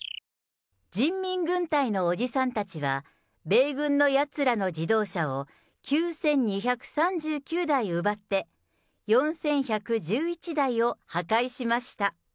人民軍隊のおじさんたちは、米軍のやつらの自動車を９２３９台奪って、４１１１台を破壊しました。